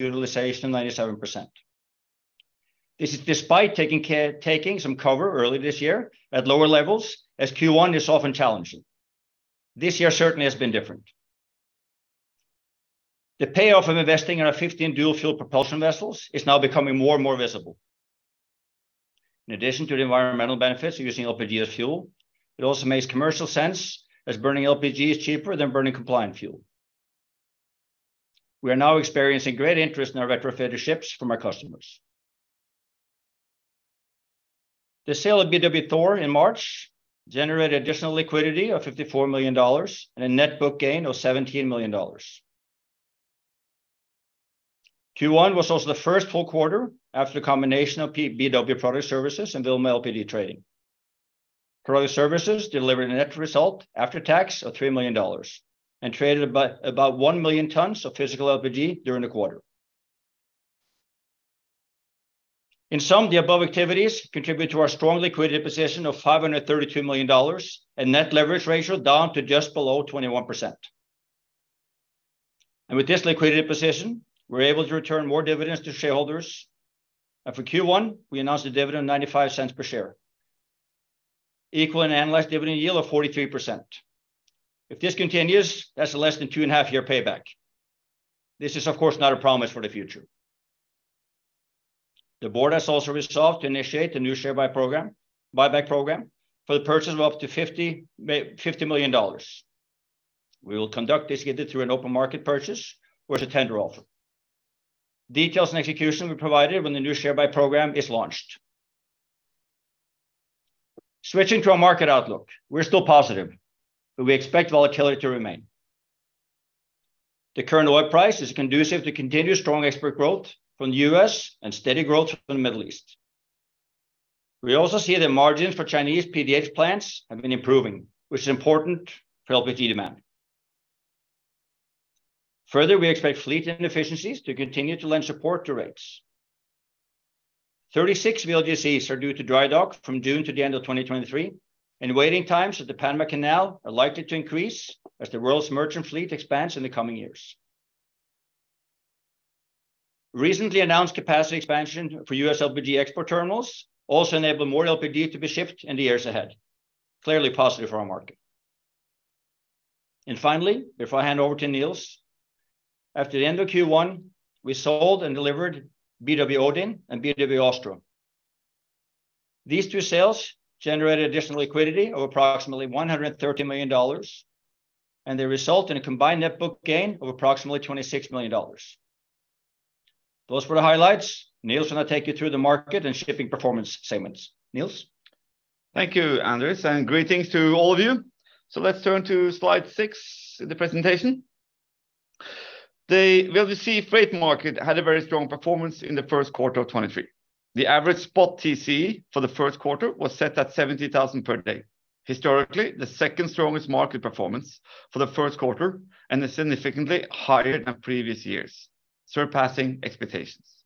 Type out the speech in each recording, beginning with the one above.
Utilization 97%. This is despite taking some cover early this year at lower levels, as Q1 is often challenging. This year certainly has been different. The payoff from investing in our 15 dual-fuel propulsion vessels is now becoming more and more visible. In addition to the environmental benefits of using LPG as fuel, it also makes commercial sense as burning LPG is cheaper than burning compliant fuel. We are now experiencing great interest in our retrofitted ships from our customers. The sale of BW Thor in March generated additional liquidity of $54 million and a net book gain of $17 million. Q1 was also the first full quarter after the combination of BW Product Services and Vilma LPG Trading. Product Services delivered a net result after tax of $3 million and traded about 1 million tons of physical LPG during the quarter. In sum, the above activities contribute to our strong liquidity position of $532 million and net leverage ratio down to just below 21%. With this liquidity position, we're able to return more dividends to shareholders. For Q1, we announced a dividend of $0.95 per share, equal an annualized dividend yield of 43%. If this continues, that's less than two and a half year payback. This is, of course, not a promise for the future. The board has also resolved to initiate a new share buyback program for the purchase of up to $50 million. We will conduct this either through an open market purchase or a tender offer. Details and execution will be provided when the new share buy program is launched. Switching to our market outlook. We're still positive, we expect volatility to remain. The current oil price is conducive to continued strong export growth from the U.S. and steady growth from the Middle East. We also see the margins for Chinese PDH plants have been improving, which is important for LPG demand. We expect fleet inefficiencies to continue to lend support to rates. 36 VLGCs are due to drydock from June to the end of 2023. Waiting times at the Panama Canal are likely to increase as the world's merchant fleet expands in the coming years. Recently announced capacity expansion for U.S. LPG export terminals also enable more LPG to be shipped in the years ahead. Clearly positive for our market. Finally, before I hand over to Niels, after the end of Q1, we sold and delivered BW ODIN and BW Austria. These two sales generated additional liquidity of approximately $130 million, they result in a combined net book gain of approximately $26 million. Those were the highlights. Niels will now take you through the market and shipping performance segments. Niels. Thank you, Anders. Greetings to all of you. Let's turn to Slide six in the presentation. The VLGC freight market had a very strong performance in the first quarter of 2023. The average spot TCE for the first quarter was set at $70,000 per day. Historically, the second strongest market performance for the first quarter and is significantly higher than previous years, surpassing expectations.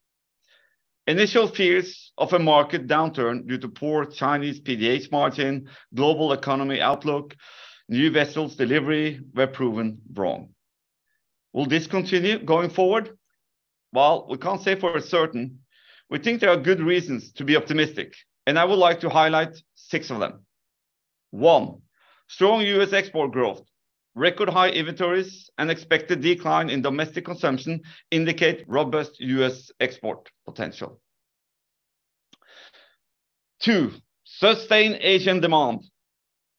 Initial fears of a market downturn due to poor Chinese PDH margin, global economy outlook, new vessels delivery were proven wrong. Will this continue going forward? While we can't say for certain, we think there are good reasons to be optimistic, and I would like to highlight six of them. One, strong U.S. export growth. Record high inventories and expected decline in domestic consumption indicate robust U.S. export potential. Two, sustained Asian demand.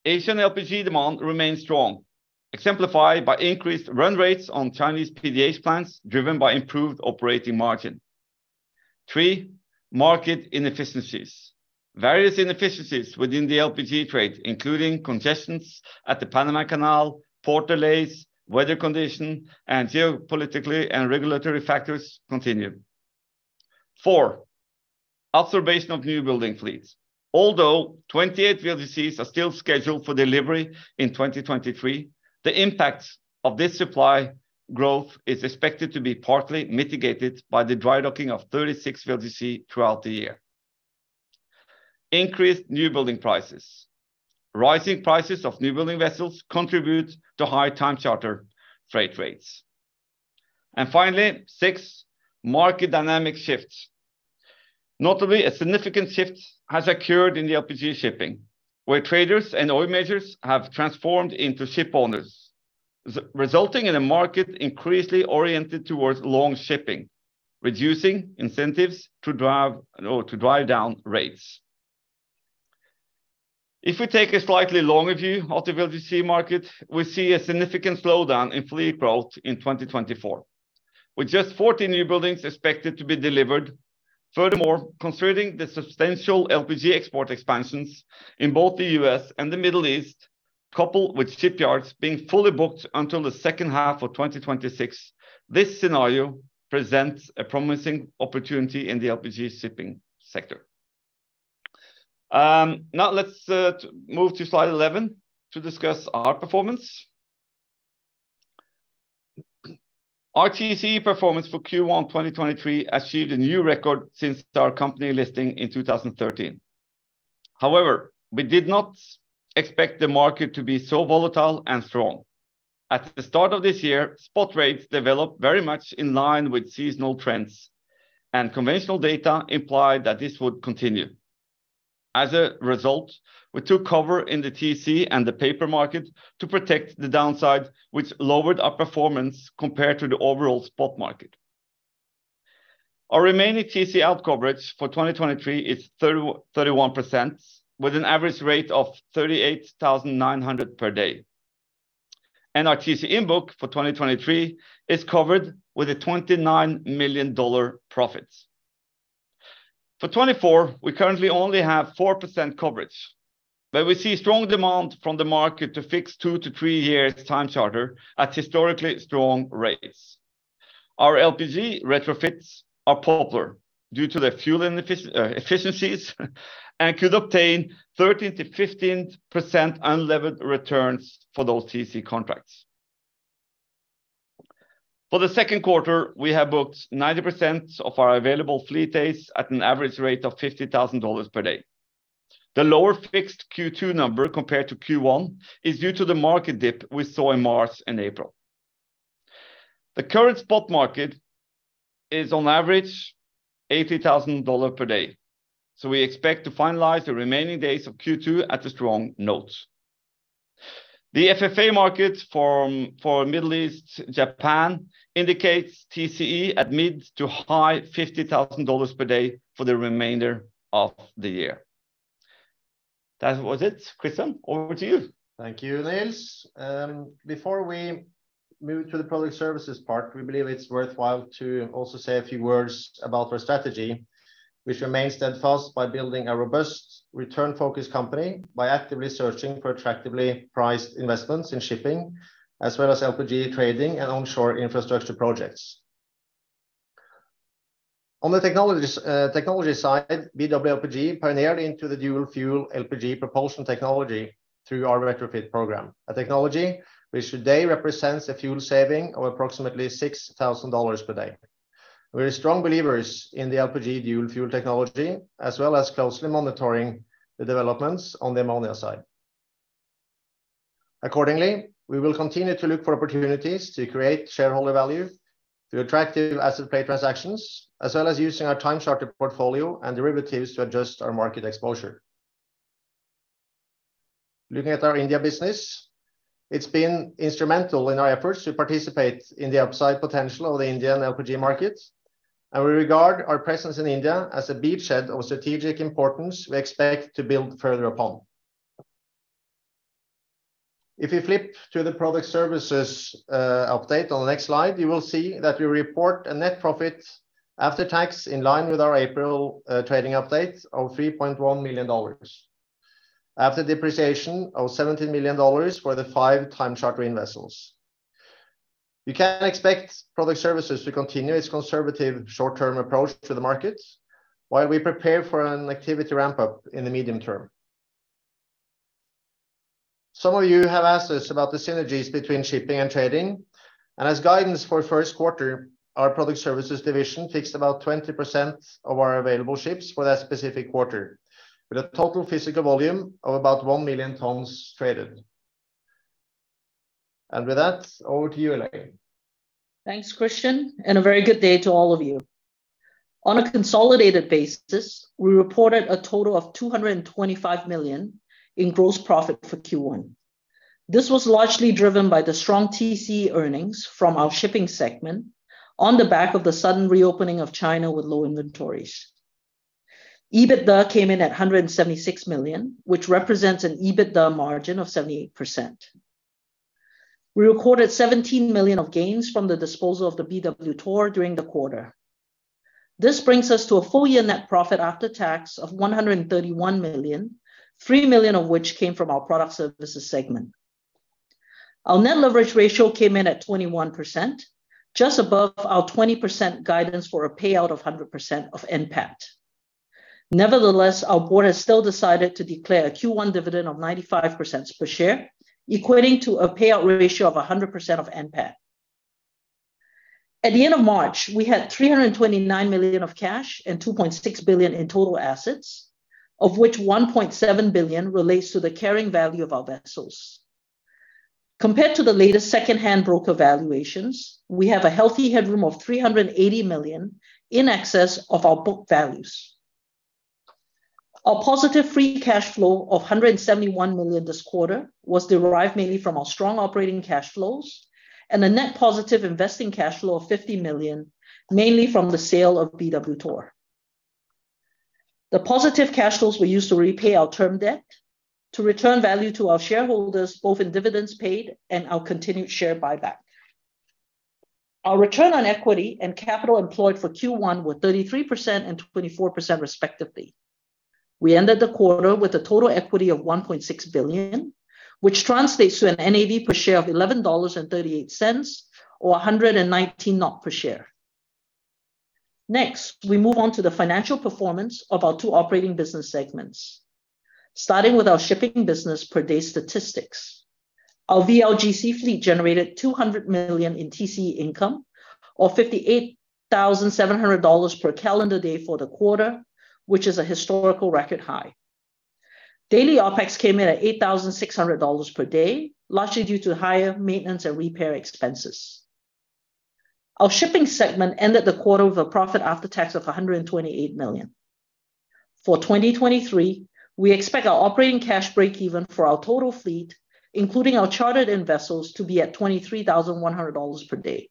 Asian LPG demand remains strong, exemplified by increased run rates on Chinese PDH plants, driven by improved operating margin. Three, market inefficiencies. Various inefficiencies within the LPG trade, including congestions at the Panama Canal, port delays, weather condition, and geopolitically and regulatory factors continue. Four, observation of new building fleets. Although 28 VLGCs are still scheduled for delivery in 2023, the impact of this supply growth is expected to be partly mitigated by the dry docking of 36 VLGC throughout the year. Increased new building prices. Rising prices of new building vessels contribute to high time charter freight rates. Finally, six, market dynamic shifts. Notably, a significant shift has occurred in the LPG shipping, where traders and oil majors have transformed into shipowners, re-resulting in a market increasingly oriented towards long shipping, reducing incentives to drive down rates. If we take a slightly longer view of the VLGC market, we see a significant slowdown in fleet growth in 2024, with just 40 new buildings expected to be delivered. Furthermore, considering the substantial LPG export expansions in both the U.S. and the Middle East, coupled with shipyards being fully booked until the second half of 2026, this scenario presents a promising opportunity in the LPG shipping sector. Now let's move to Slide 11 to discuss our performance. Our TCE performance for Q1 2023 achieved a new record since our company listing in 2013. However, we did not expect the market to be so volatile and strong. At the start of this year, spot rates developed very much in line with seasonal trends, and conventional data implied that this would continue. As a result, we took cover in the TC and the paper market to protect the downside which lowered our performance compared to the overall spot market. Our remaining TC out coverage for 2023 is 30%-31% with an average rate of $38,900 per day. Our TC-in book for 2023 is covered with a $29 million profit. For 2024, we currently only have 4% coverage, but we see strong demand from the market to fix two to three years time charter at historically strong rates. Our LPG retrofits are popular due to their fuel efficiencies and could obtain 13% to 15% unlevered returns for those TC contracts. For the second quarter, we have booked 90% of our available fleet days at an average rate of $50,000 per day. The lower fixed Q2 number compared to Q1 is due to the market dip we saw in March and April. The current spot market is on average $80,000 per day. We expect to finalize the remaining days of Q2 at a strong note. The FFA market for Middle East, Japan indicates TCE at mid to high $50,000 per day for the remainder of the year. That was it. Kristian, over to you. Thank you, Niels. Before we move to the product services part, we believe it's worthwhile to also say a few words about our strategy, which remains steadfast by building a robust return-focused company by actively searching for attractively priced investments in shipping, as well as LPG trading and onshore infrastructure projects. On the technologies, technology side, BW LPG pioneered into the dual-fuel LPG propulsion technology through our retrofit program. A technology which today represents a fuel saving of approximately $6,000 per day. We're strong believers in the LPG dual fuel technology, as well as closely monitoring the developments on the ammonia side. Accordingly, we will continue to look for opportunities to create shareholder value through attractive asset play transactions as well as using our time charter portfolio and derivatives to adjust our market exposure. Looking at our India business, it's been instrumental in our efforts to participate in the upside potential of the Indian LPG market. We regard our presence in India as a beachhead of strategic importance we expect to build further upon. If you flip to the Product Services update on the next slide, you will see that we report a net profit after tax in line with our April trading update of $3.1 million. After depreciation of $17 million for the five time chartering vessels. You can expect Product Services to continue its conservative short-term approach to the markets while we prepare for an activity ramp-up in the medium term. Some of you have asked us about the synergies between shipping and trading. As guidance for first quarter, our Product Services division takes about 20% of our available ships for that specific quarter, with a total physical volume of about 1 million tons traded. With that, over to you, Elaine. Thanks, Kristian. A very good day to all of you. On a consolidated basis, we reported a total of $225 million in gross profit for Q1. This was largely driven by the strong TCE earnings from our shipping segment on the back of the sudden reopening of China with low inventories. EBITDA came in at $176 million, which represents an EBITDA margin of 78%. We recorded $17 million of gains from the disposal of the BW Thor during the quarter. This brings us to a full year net profit after tax of $131 million, $3 million of which came from our Product Services segment. Our net leverage ratio came in at 21%, just above our 20% guidance for a payout of 100% of NPAT. Nevertheless, our board has still decided to declare a Q1 dividend of 95% per share, equating to a payout ratio of 100% of NPAT. At the end of March, we had $329 million of cash and $2.6 billion in total assets, of which $1.7 billion relates to the carrying value of our vessels. Compared to the latest second-hand broker valuations, we have a healthy headroom of $380 million in excess of our book values. Our positive free cash flow of $171 million this quarter was derived mainly from our strong operating cash flows and a net positive investing cash flow of $50 million, mainly from the sale of BW Thor. The positive cash flows were used to repay our term debt to return value to our shareholders, both in dividends paid and our continued share buyback. Our return on equity and capital employed for Q1 were 33% and 24% respectively. We ended the quarter with a total equity of $1.6 billion, which translates to an NAV per share of $11.38 or 119 per share. We move on to the financial performance of our two operating business segments, starting with our shipping business per day statistics. Our VLGC fleet generated $200 million in TCE income or $58,700 per calendar day for the quarter, which is a historical record high. Daily OpEx came in at $8,600 per day, largely due to higher maintenance and repair expenses. Our shipping segment ended the quarter with a profit after tax of $128 million. For 2023, we expect our operating cash break-even for our total fleet, including our chartered-in vessels, to be at $23,100 per day.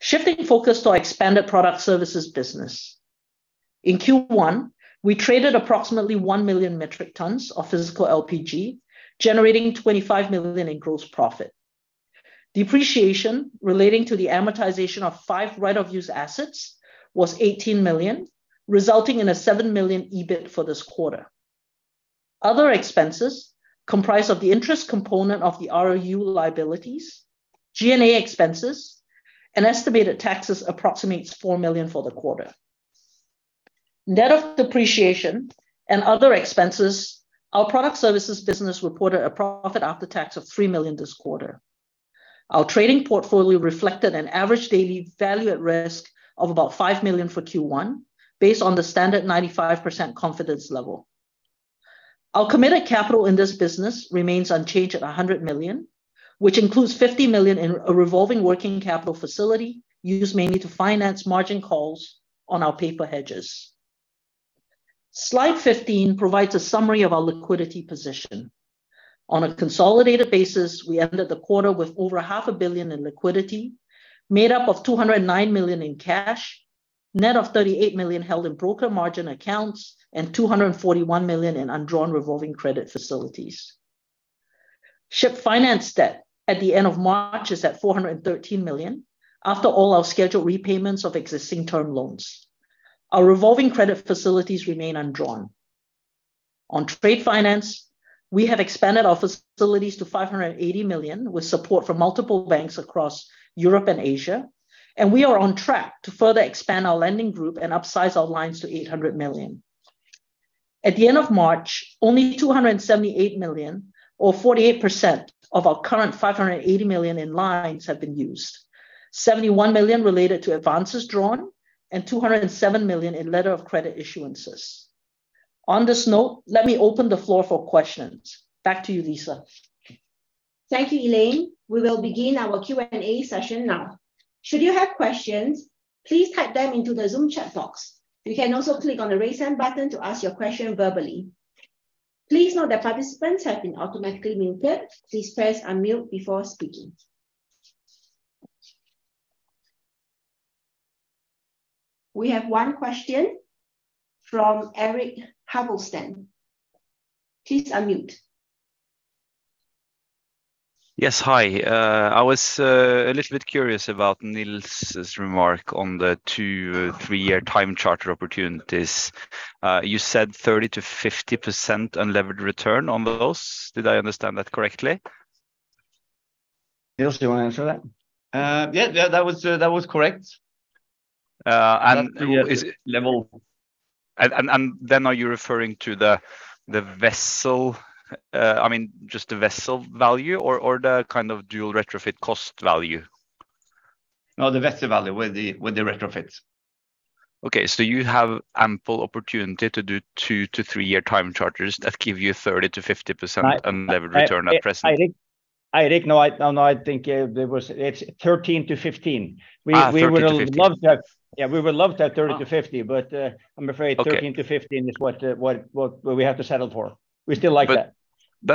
Shifting focus to our expanded Product Services business. In Q1, we traded approximately 1 million metric tons of physical LPG, generating $25 million in gross profit. Depreciation relating to the amortization of five right-of-use assets was $18 million, resulting in a $7 million EBIT for this quarter. Other expenses comprise of the interest component of the ROU liabilities, G&A expenses, and estimated taxes approximates $4 million for the quarter. Net of depreciation and other expenses, our Product Services business reported a profit after tax of $3 million this quarter. Our trading portfolio reflected an average daily Value at Risk of about $5 million for Q1 based on the standard 95% confidence level. Our committed capital in this business remains unchanged at $100 million, which includes $50 million in a Revolving Working Capital Facility used mainly to finance margin calls on our paper hedges. Slide 15 provides a summary of our liquidity position. On a consolidated basis, we ended the quarter with over half a billion in liquidity, made up of $209 million in cash, net of $38 million held in broker margin accounts, and $241 million in undrawn Revolving Credit Facilities. Ship finance debt at the end of March is at $413 million after all our scheduled repayments of existing term loans. Our Revolving Credit Facilities remain undrawn. On trade finance, we have expanded our facilities to $580 million with support from multiple banks across Europe and Asia. We are on track to further expand our lending group and upsize our lines to $800 million. At the end of March, only $278 million or 48% of our current $580 million in lines have been used. $71 million related to advances drawn and $207 million in Letter of credit issuances. On this note, let me open the floor for questions. Back to you, Lisa. Thank you, Elaine. We will begin our Q&A session now. Should you have questions, please type them into the Zoom chat box. You can also click on the Raise Hand button to ask your question verbally. Please note that participants have been automatically muted. Please press unmute before speaking. We have one question from Eirik Haavaldsen. Please unmute. Yes. Hi. I was a little bit curious about Niels' remark on the two to three year time charter opportunities. You said 30% to 50% unlevered return on those. Did I understand that correctly? Niels, do you wanna answer that? Yeah, that was correct. Uh, and is... Level Then are you referring to the vessel, I mean, just the vessel value or the kind of dual retrofit cost value? No, the vessel value with the retrofits. Okay. You have ample opportunity to do two to three year time charters that give you 30% to 50%-I, I-unlevered return at present. Eirik, no, I think, there was. It's 13 to 15. 13 to 15. We would love to have Yeah, we would love to have 30 to 50, but I'm afraid. Okay13 to 15 is what we have to settle for. We still like that.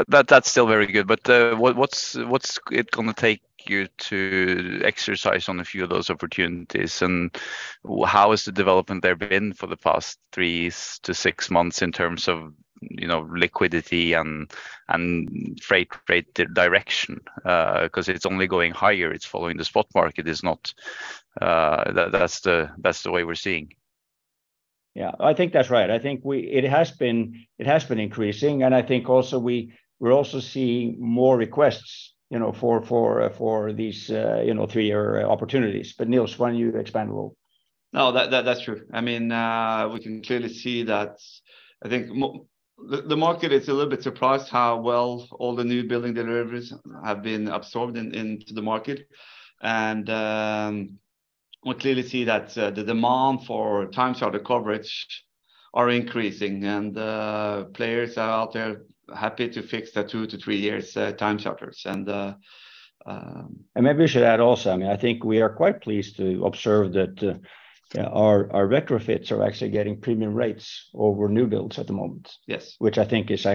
That's still very good. What's it gonna take you to exercise on a few of those opportunities? How is the development there been for the past three to six months in terms of, you know, liquidity and freight rate direction? 'Cause it's only going higher. It's following the spot market. It's not, that's the way we're seeing. Yeah. I think that's right. It has been increasing, and I think also we're also seeing more requests, you know, for these, you know, three-year opportunities. Niels, why don't you expand a little? No, that's true. I mean, we can clearly see that. I think the market is a little bit surprised how well all the new building deliveries have been absorbed into the market. We clearly see that the demand for time charter coverage are increasing. Players are out there happy to fix the two to three years time charters. Maybe we should add also, I mean, I think we are quite pleased to observe that our retrofits are actually getting premium rates over new builds at the moment. Yes. I think it's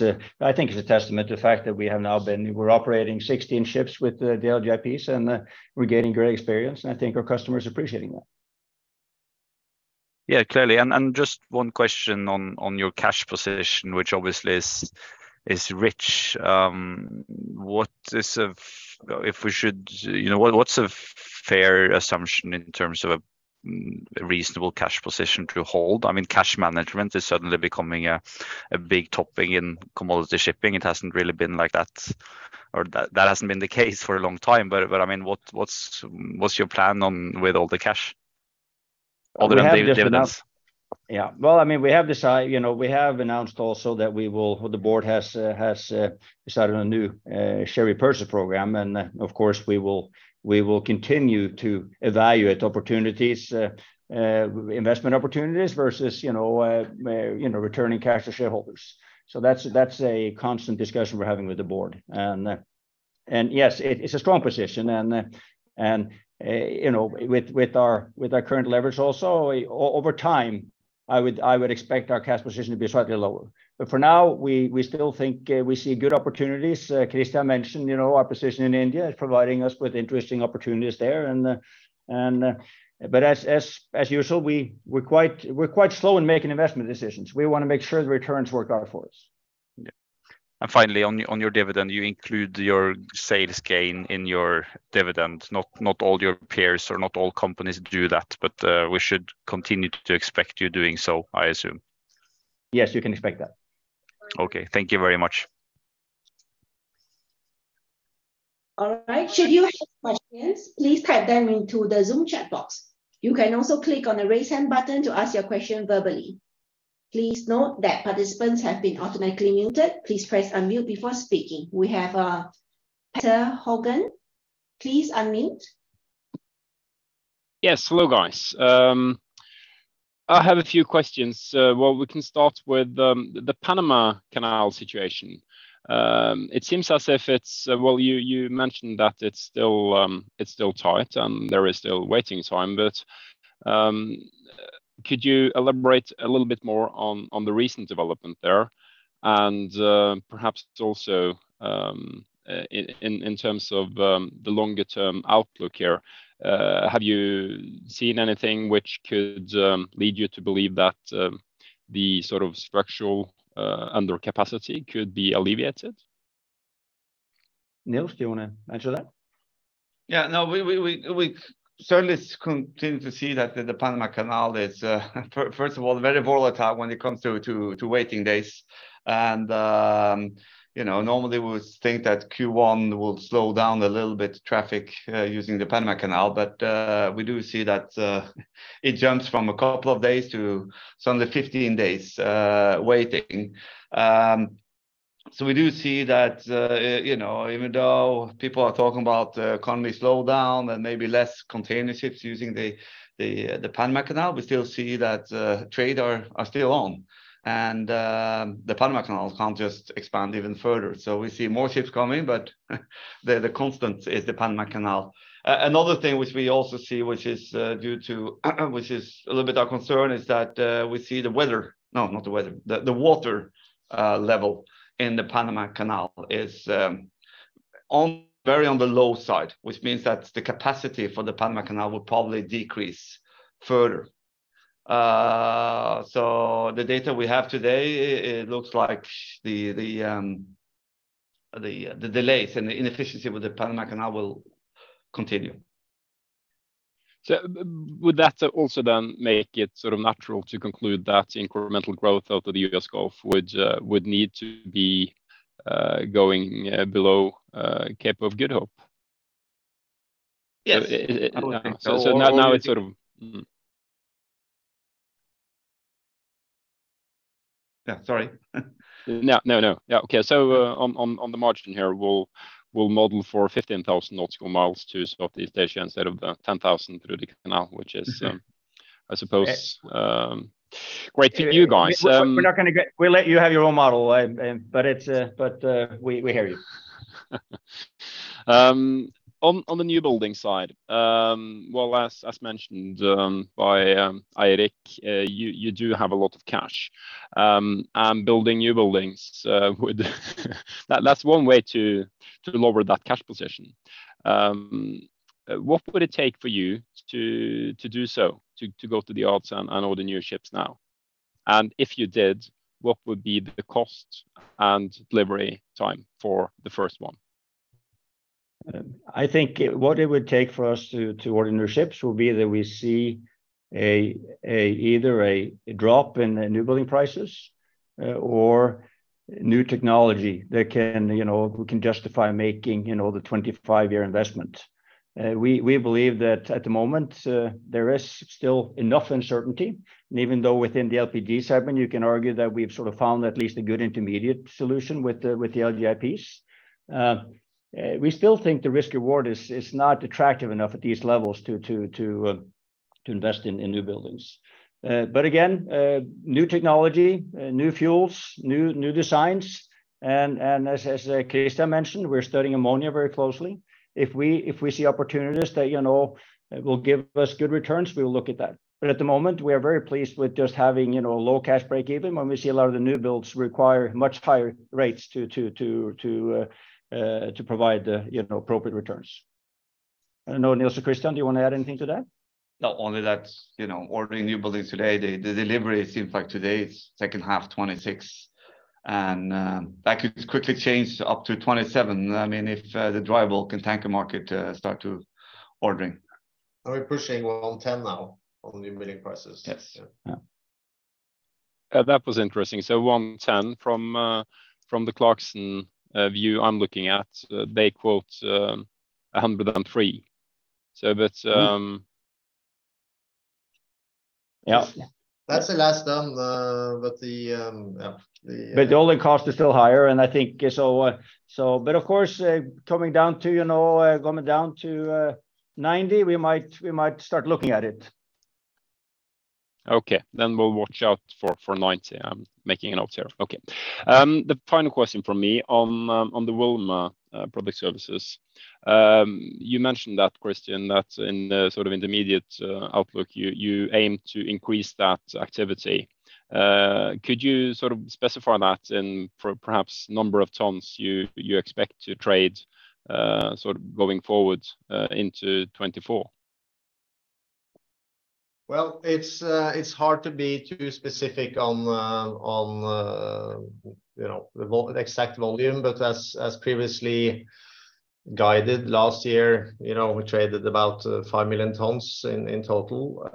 a testament to the fact that we're operating 16 ships with the LPG, and we're getting great experience, and I think our customers are appreciating that. Yeah, clearly. Just one question on your cash position, which obviously is rich. What is if we should... You know, what's a fair assumption in terms of a reasonable cash position to hold? I mean, cash management is suddenly becoming a big topic in commodity shipping. It hasn't really been like that or that hasn't been the case for a long time. I mean, what's your plan on with all the cash? Other than the dividends. Well, I mean, we have, you know, we have announced also that or the board has started a new share repurchase program. Of course, we will continue to evaluate opportunities, investment opportunities versus, you know, returning cash to shareholders. That's, that's a constant discussion we're having with the board. And yes, it's a strong position and, you know, with our current leverage also, over time, I would expect our cash position to be slightly lower. For now, we still think we see good opportunities. Kristian mentioned, you know, our position in India is providing us with interesting opportunities there and, as usual, we're quite slow in making investment decisions. We wanna make sure the returns work out for us. Yeah. Finally, on your dividend, you include your sales gain in your dividend. Not all your peers or not all companies do that, but we should continue to expect you doing so, I assume. Yes, you can expect that. Okay. Thank you very much. All right. Should you have questions, please type them into the Zoom chat box. You can also click on the Raise Hand button to ask your question verbally. Please note that participants have been automatically muted. Please press unmute before speaking. We have Peter Hogan. Please unmute. Yes. Hello, guys. I have a few questions. Well, we can start with the Panama Canal situation. It seems as if it's, well, you mentioned that it's still, it's still tight and there is still waiting time. Could you elaborate a little bit more on the recent development there? Perhaps also in terms of the longer term outlook here, have you seen anything which could lead you to believe that the sort of structural under capacity could be alleviated? Niels, do you wanna answer that? Yeah. No, we certainly continue to see that the Panama Canal is first of all, very volatile when it comes to waiting days. You know, normally we would think that Q1 will slow down a little bit traffic using the Panama Canal. We do see that it jumps from a couple of days to suddenly 15 days waiting. We do see that, you know, even though people are talking about the economy slowdown and maybe less container ships using the Panama Canal, we still see that trade are still on. The Panama Canal can't just expand even further. We see more ships coming, but the constant is the Panama Canal. Another thing which we also see, which is due to, which is a little bit our concern, is that we see the weather. No, not the weather. The water level in the Panama Canal is very on the low side, which means that the capacity for the Panama Canal will probably decrease further. The data we have today, it looks like the delays and the inefficiency with the Panama Canal will continue. Would that also then make it sort of natural to conclude that incremental growth out of the U.S. Gulf would need to be going below Cape of Good Hope? Yes. Now it's sort of... Yeah. Sorry. No. Yeah. Okay. On the margin here, we'll model for 15,000 nautical miles to Southeast Asia instead of the 10,000 through the canal, which is, I suppose, great for you guys. We'll let you have your own model. but, we hear you. On the new building side, well, as mentioned, by Eirik, you do have a lot of cash, and building new buildings. That's one way to lower that cash position. What would it take for you to do so, to go to the odds and order newer ships now? If you did, what would be the cost and delivery time for the first one? I think what it would take for us to order newer ships would be that we see a, either a drop in new building prices, or new technology that can, you know, we can justify making, you know, the 25-year investment. We believe that at the moment, there is still enough uncertainty, and even though within the LPG segment, you can argue that we've sort of found at least a good intermediate solution with the ME-LGIP. We still think the risk reward is not attractive enough at these levels to invest in new buildings. Again, new technology, new fuels, new designs and as Kristian mentioned, we're studying ammonia very closely. If we see opportunities that, you know, will give us good returns, we will look at that. At the moment, we are very pleased with just having, you know, low cash break-even when we see a lot of the newbuilds require much higher rates to provide, you know, appropriate returns. I don't know, Niels or Kristian, do you want to add anything to that? No. Only that, you know, ordering new buildings today, the delivery seems like today it's second half 2026. That could quickly change up to 2027. I mean, if the dry bulk and tanker market start to ordering. Are we pushing $110 now on the new building prices? Yes. Yeah. That was interesting. $110 from the Clarksons view I'm looking at, they quote $103. Yeah. Yeah. That's the last time, but the, yeah. The. The only cost is still higher, and I think so. Of course, coming down to, you know, coming down to $90, we might start looking at it. Okay. We'll watch out for 90. I'm making a note here. Okay. The final question from me on the Vilma Product Services. You mentioned that, Kristian, that in the sort of intermediate outlook you aim to increase that activity. Could you sort of specify that in perhaps number of tons you expect to trade, sort of going forward, into 2024? Well, it's hard to be too specific on the, on the, you know, the exact volume. As, as previously guided last year, you know, we traded about 5 million tons in total.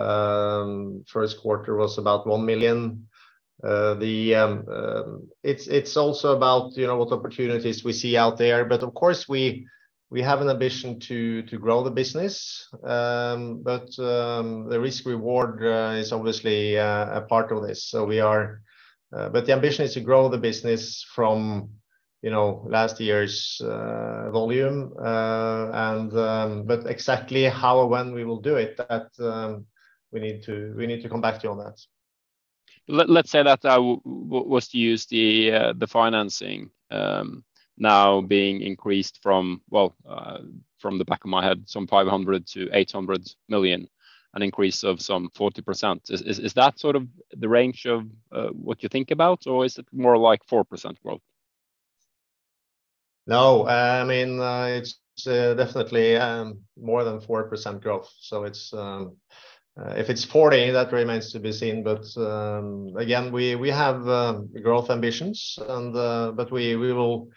First quarter was about 1 million. It's, it's also about, you know, what opportunities we see out there. Of course we have an ambition to grow the business. The risk reward is obviously a part of this. The ambition is to grow the business from, you know, last year's volume. Exactly how or when we will do it, that, we need to, we need to come back to you on that. Let's say that was to use the financing, now being increased from, well, from the back of my head, some $500 million to $800 million, an increase of some 40%. Is that sort of the range of what you think about, or is it more like 4% growth? No. I mean, it's definitely more than 4% growth. It's, if it's 40, that remains to be seen. Again, we have growth ambitions and, but we will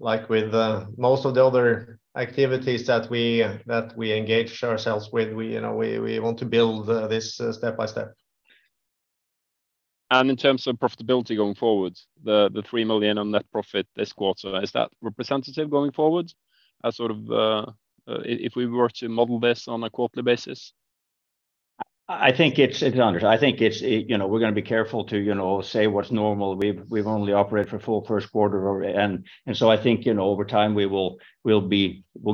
like with most of the other activities that we, that we engage ourselves with, we, you know, we want to build this step by step. In terms of profitability going forward, the $3 million on net profit this quarter, is that representative going forward as sort of, if we were to model this on a quarterly basis? I think it's Anders, I think it's, you know, we're gonna be careful to, you know, say what's normal. We've only operated for a full first quarter. I think, you know, over time, we will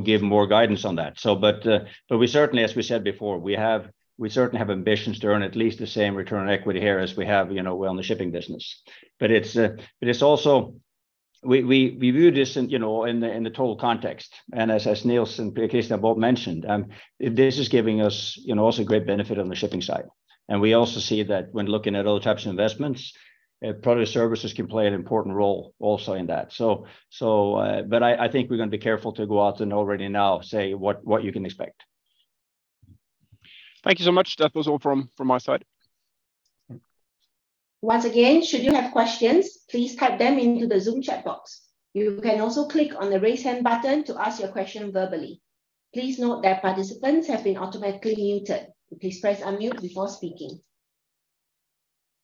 give more guidance on that. We certainly as we said before, we certainly have ambitions to earn at least the same return on equity here as we have, you know, on the shipping business. It's also we view this in, you know, in the, in the total context. As Niels and Kristian have both mentioned, this is giving us, you know, also great benefit on the shipping side. We also see that when looking at other types of investments, Product Services can play an important role also in that. I think we're gonna be careful to go out and already now say what you can expect. Thank you so much. That was all from my side. Once again, should you have questions, please type them into the Zoom chat box. You can also click on the Raise Hand button to ask your question verbally. Please note that participants have been automatically muted. Please press unmute before speaking.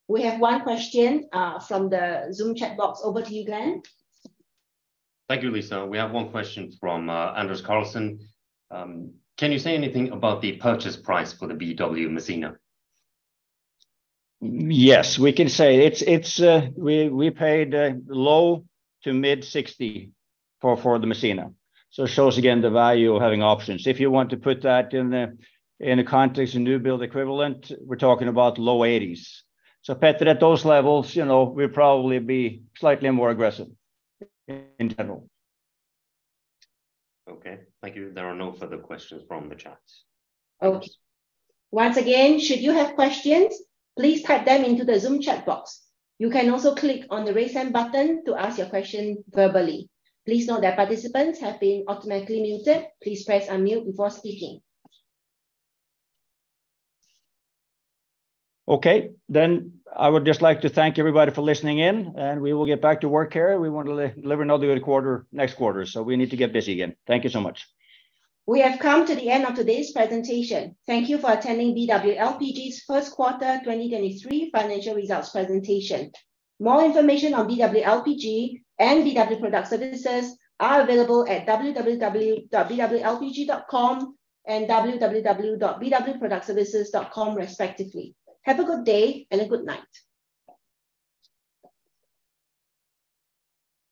We have one question from the Zoom chat box. Over to you, Glenn. Thank you, Lisa. We have one question from Anders Karlsen. Can you say anything about the purchase price for the BW Messina? Yes, we can say. It's, we paid low to mid $60 for the BW Messina. It shows again the value of having options. If you want to put that in a context of newbuild equivalent, we're talking about low $80s. Patrick, at those levels, you know, we'd probably be slightly more aggressive in general. Okay. Thank you. There are no further questions from the chats. Okay. Once again, should you have questions, please type them into the Zoom chat box. You can also click on the Raise Hand button to ask your question verbally. Please note that participants have been automatically muted. Please press unmute before speaking. Okay. I would just like to thank everybody for listening in, and we will get back to work here. We want to deliver another good quarter next quarter. We need to get busy again. Thank you so much. We have come to the end of today's presentation. Thank you for attending BW LPG's first quarter 2023 financial results presentation. More information on BW LPG and BW Product Services are available at www.bwlpg.com and www.bwproductservices.com respectively. Have a good day and a good night.